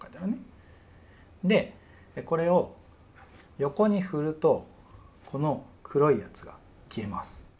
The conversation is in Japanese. でこれを横に振るとこの黒いやつが消えます。